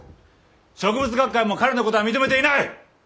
植物学会も彼のことは認めていない！